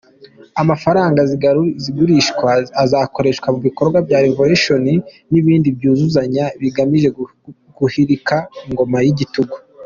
Amafaranga zizagurishwa azakoreshwa mubikorwa bya Révolution n’ibindi byuzuzanya bigamije guhirika ingoma y’igitugu.